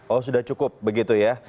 oh sudah cukup begitu ya